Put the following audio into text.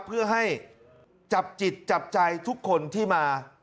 เพื่อให้จับจิตจับใจทุกคนที่มา